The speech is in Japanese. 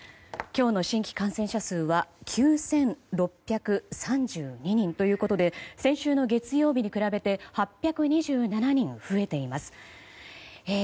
今日の新規感染者数は９６３２人ということで先週の月曜日に比べて８２７人増えています。